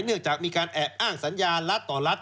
เนื่องจากมีการแอบอ้างสัญญารัฐต่อรัฐ